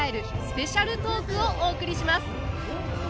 スペシャルトークをお送りします！